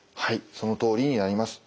そのとおりになります。